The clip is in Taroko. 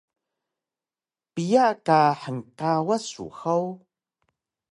Piya ka hngkawas su hug?